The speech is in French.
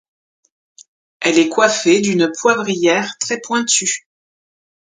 Elle est coiffée d'une poivrière très pointue.